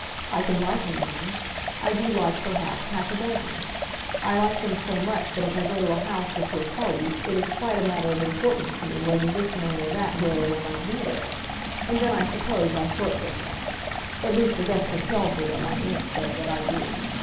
I can like a man. I do like, perhaps, half a dozen. I like them so much that if I go to a house or to a party it is quite a matter of importance to me whether this man or that will or will not be there. And then I suppose I flirt with them. At least Augusta tells me that my aunt says that I do.